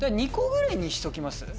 ２個ぐらいにしときます？